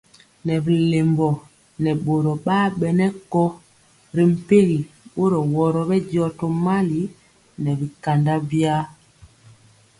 Nɛ bɛ lɛmbɔ nɛ boro bar bɛnɛ gkɔ y mpegi boro woro bɛndiɔ tomali nɛ bikanda biwa.